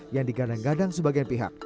yang digadang gadang sebagian pihak